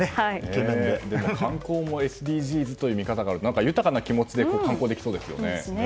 観光もＳＤＧｓという見方が何か、豊かな気持ちで観光できそうですね。